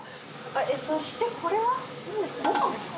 そして、これはなんですか？